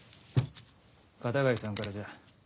片貝さんからじゃ。